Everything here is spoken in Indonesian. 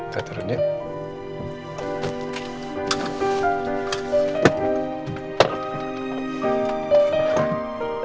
kita turun yuk